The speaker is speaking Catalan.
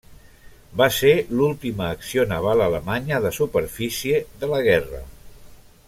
Va ser l'última acció naval alemanya de superfície de la guerra.